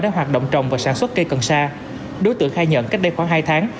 để hoạt động trồng và sản xuất cây cần sa đối tượng khai nhận cách đây khoảng hai tháng